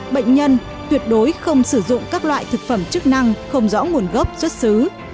bệnh nhân tuyệt đối không sử dụng các loại thực phẩm chức năng không rõ nguồn gốc xuất xứ